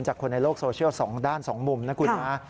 จากคนในโลกโซเชียลด้านสองมุมนะคุณฮะ